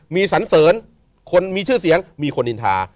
มีสันเสริญคนมีชื่อเสียงมีคนอินทา